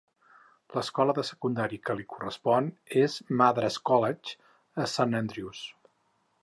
L'escola de secundària que li correspon és Madras College, a Saint Andrews.